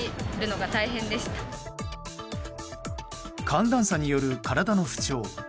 寒暖差による体の不調。